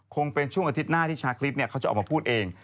คงเป็นช่วงอาทิตย์หน้าที่ชาคริสเขาจะออกมาพูดเอง